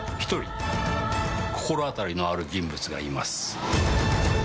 １人心当たりのある人物がいます。